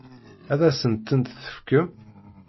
Ad asent-tent-tefkem?